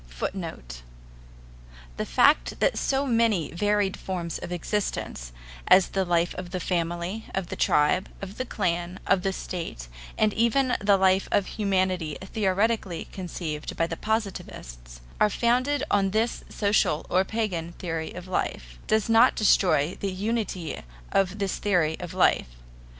[Footnote: The fact that so many varied forms of existence, as the life of the family, of the tribe, of the clan, of the state, and even the life of humanity theoretically conceived by the Positivists, are founded on this social or pagan theory of life, does not destroy the unity of this theory of life.